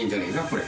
これ。